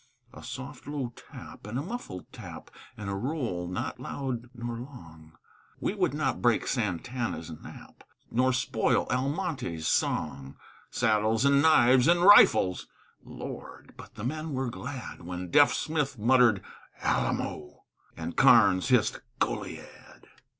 A soft low tap, and a muffled tap, And a roll not loud nor long We would not break Sant' Anna's nap, Nor spoil Almonte's song. Saddles and knives and rifles! Lord! but the men were glad When Deaf Smith muttered "Alamo!" And Karnes hissed "Goliad!"